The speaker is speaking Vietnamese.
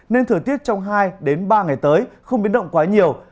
nên thời tiết trong hai ba ngày tới không biến động quá nhiều